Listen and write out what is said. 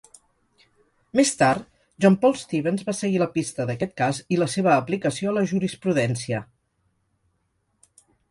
Més tard, John Paul Stevens va seguir la pista d'aquest cas i la seva aplicació a la jurisprudència.